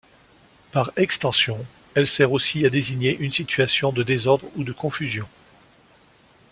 Par extension, elle sert aussi à désigner une situation de désordre ou de confusion.